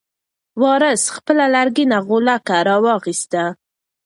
وارث خپله لرګینه غولکه راواخیسته.